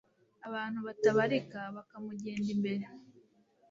abantu batabarika bakamugenda imbere